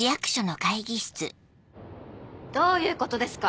・どういうことですか？